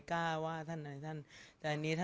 สงฆาตเจริญสงฆาตเจริญ